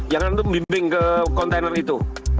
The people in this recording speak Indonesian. yang nanti membimbing ke kontainer itu